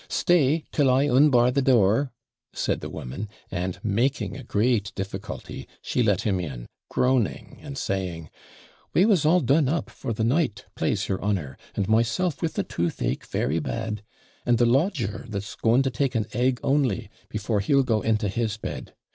Stay, till I unbar the door,' said the woman; and, making a great difficulty, she let him in, groaning, and saying 'We was all done up for the night, PLASE your honour, and myself with the toothache, very bad And the lodger, that's going to take an egg only, before he'd go into his bed.